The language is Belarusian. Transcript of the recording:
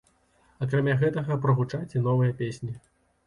Акрамя гэтага прагучаць і новыя песні.